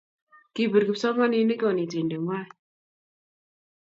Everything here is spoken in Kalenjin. Kipir kipsomaninik konetinte ng'wang